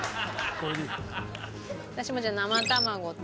私もじゃあ生卵と。